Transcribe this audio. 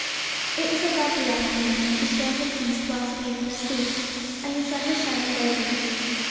It was a lovely afternoon; the storm had ceased whilst we had been asleep, and the sun was shining brightly.